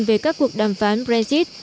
về các cuộc đàm phán brexit